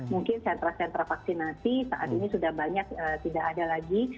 mungkin sentra sentra vaksinasi saat ini sudah banyak tidak ada lagi